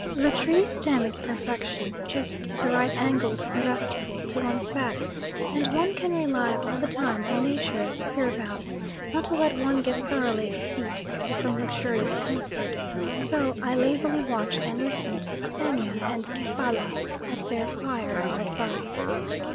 This tree stem is perfection, just the right angle to be restful to one's back, and one can rely all the time on Nature hereabouts not to let one get thoroughly effete from luxurious comfort, so I lazily watch and listen to Xenia and Kefalla at their fire hard by.